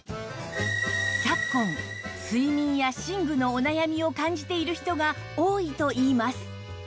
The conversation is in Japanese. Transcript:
昨今睡眠や寝具のお悩みを感じている人が多いといいます